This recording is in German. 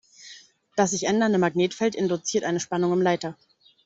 Das sich ändernde Magnetfeld induziert eine Spannung im Leiter.